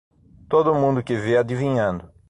Todo mundo que vê adivinhando